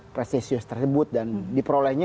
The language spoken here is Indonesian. presisius tersebut dan diperolehnya